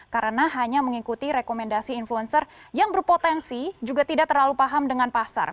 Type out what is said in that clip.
karena hanya mengikuti rekomendasi influencer yang berpotensi juga tidak terlalu paham dengan pasar